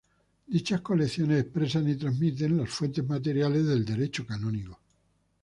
Dichas colecciones expresan y transmiten las fuentes materiales del Derecho Canónico.